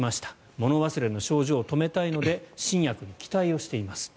物忘れの症状を止めたいので新薬に期待しています。